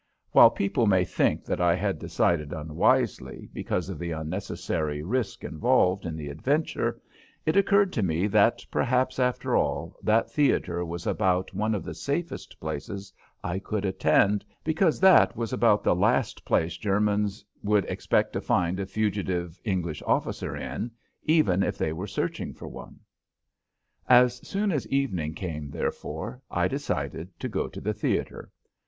While people may think that I had decided unwisely because of the unnecessary risk involved in the adventure, it occurred to me that perhaps, after all, that theater was about one of the safest places I could attend, because that was about the last place Germans would expect to find a fugitive English officer in, even if they were searching for one. As soon as evening came, therefore, I decided to go to the theater.